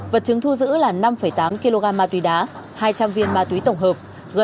vật chứng thu giữ là năm tám kg ma túy đá hai trăm linh viên ma túy tổng hợp